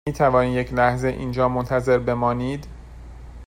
می توانید یک لحظه اینجا منتظر بمانید؟